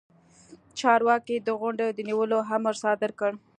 چارواکي د غونډې د نیولو امر صادر کړ.